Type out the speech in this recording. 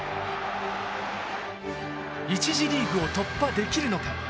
１次リーグを突破できるのか？